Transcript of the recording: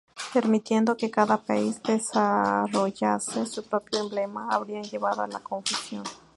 Permitiendo que cada país desarrollase su propio emblema habría llevado a la confusión.